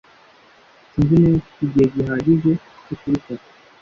Sinzi niba mfite igihe gihagije cyo kubikora.